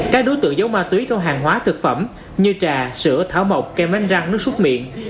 các đối tượng giấu ma túy trong hàng hóa thực phẩm như trà sữa thảo mộc kem bánh răng nước xúc miệng